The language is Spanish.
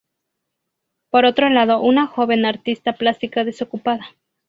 Por otro lado, una joven artista plástica desocupada.